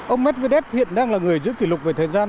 ông medvedev hiện đang là người giữ kỷ lục về thời gian